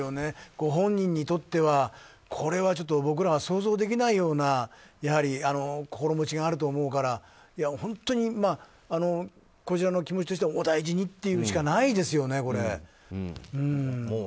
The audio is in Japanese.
ご本人にとっては、これは僕らは想像できないような心持ちがあると思うから本当にこちらの気持ちとしてはお大事にと言うしかないですよね。